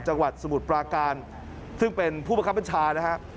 จังหวัดสมุทรปราการซึ่งเป็นผู้ประคับบัญชานะฮะ